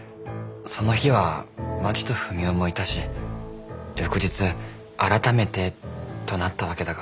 その日はまちとふみおもいたし翌日改めてとなったわけだが。